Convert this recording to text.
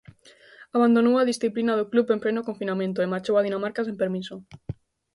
Abandonou a disciplina do club en pleno confinamento e marchou a Dinamarca sen permiso.